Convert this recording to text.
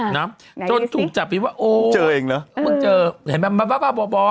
น่ะจนถูกจับว่าโอ้เหมือนเจอมันบ่อ